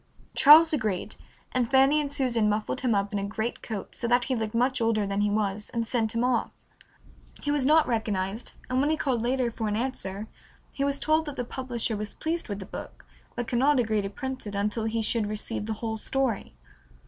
Charles agreed, and Fanny and Susan muffled him up in a greatcoat so that he looked much older than he was, and sent him off. He was not recognized, and when he called later for an answer he was told that the publisher was pleased with the book, but could not agree to print it until he should receive the whole story.